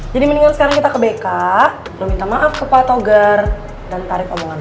jadi mendingan sekarang kita ke bk lu minta maaf ke pak togar dan tarik omongan lu